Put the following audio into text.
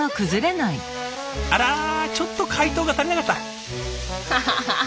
あらちょっと解凍が足りなかった。